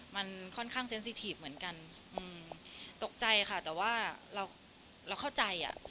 มันค่อนข้างเซ็นซีทีฟเหมือนกันอืมตกใจค่ะแต่ว่าเราเราเข้าใจอ่ะ